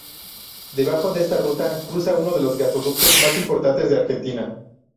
Debajo de esta ruta, cruza uno de los gasoductos mas importantes de Argentina.